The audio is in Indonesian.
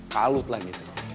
kalut lah gitu